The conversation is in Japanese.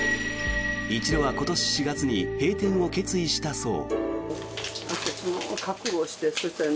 一度は今年４月に閉店を決意したそう。